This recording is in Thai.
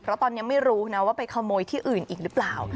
เพราะตอนนี้ไม่รู้นะว่าไปขโมยที่อื่นอีกหรือเปล่า